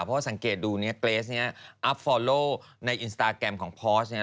เพราะว่าสังเกตดูเนี่ยเกรสเนี่ยอัพฟอร์โลในอินสตาร์แกรมของพอร์สเนี่ย